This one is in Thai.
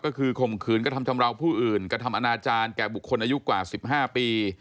ก็คือข่มขืนกระทำชำราวผู้อื่นกระทำอนาจารย์แก่บุคคลอายุกว่า๑๕ปี